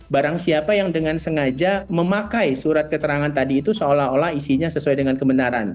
barang siapa yang dengan sengaja memakai surat keterangan tadi itu seolah olah isinya sesuai dengan kebenaran